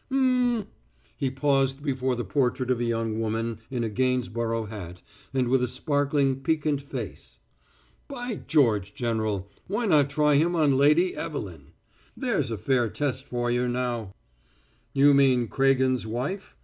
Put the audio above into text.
Um " He paused before the portrait of a young woman in a Gainsborough hat and with a sparkling piquant face. "By George, General, why not try him on Lady Evelyn? There's a fair test for you, now!" "You mean Craigen's wife?"